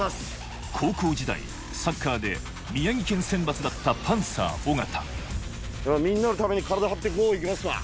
高校時代サッカーで宮城県選抜だったパンサー・尾形みんなのために体張って５行きますわ。